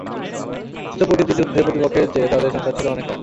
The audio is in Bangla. অথচ প্রতিটি যুদ্ধে প্রতিপক্ষের চেয়ে তাদের সংখ্যা ছিল অনেক কম।